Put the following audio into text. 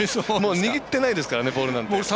握ってないですからねボールなんて。